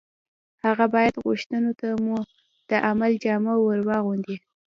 هغه باید غوښتنو ته مو د عمل جامه ور واغوندي